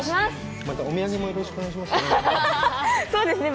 またお土産もよろしくお願いしますそうですね